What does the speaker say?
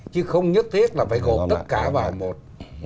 chứ không nhất thiết là phải gồm tất cả vào một